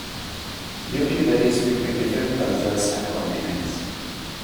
Duty varies between different cultures and continents.